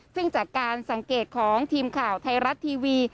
ซึ่งจากการสังเกตของทีมข่าวไทยรัฐทีวี